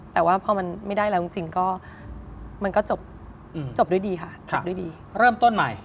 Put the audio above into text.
แต่ว่าพอมันไม่ได้แล้วจริงก็มันก็จบด้วยดีค่ะ